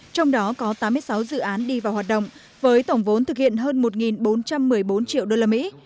trong đó có tám mươi sáu dự án đi vào hoạt động với tổng vốn thực hiện hơn một bốn trăm một mươi bốn triệu đô la mỹ